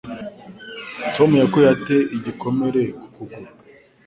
Tom yakuye ate igikomere ku kuguru?